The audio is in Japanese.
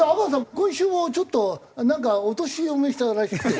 今週もちょっとなんかお年を召したらしくて。